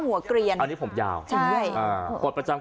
ก็แค่มีเรื่องเดียวให้มันพอแค่นี้เถอะ